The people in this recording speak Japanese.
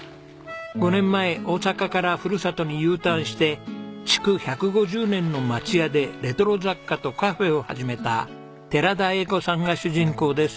５年前大阪からふるさとにＵターンして築１５０年の町家でレトロ雑貨とカフェを始めた寺田栄子さんが主人公です。